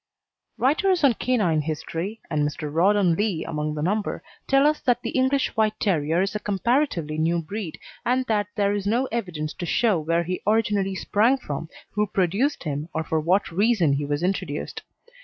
Writers on canine history, and Mr. Rawdon Lee among the number, tell us that the English White Terrier is a comparatively new breed, and that there is no evidence to show where he originally sprang from, who produced him, or for what reason he was introduced.